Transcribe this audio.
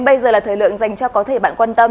bây giờ là thời lượng dành cho có thể bạn quan tâm